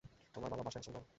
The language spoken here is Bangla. তোমার বাবা বাসায় আছেন তো?